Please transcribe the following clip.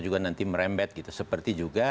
juga nanti merembet gitu seperti juga